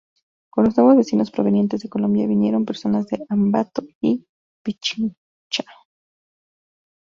Con los nuevos vecinos provenientes de Colombia, vinieron personas de Ambato y Pichincha.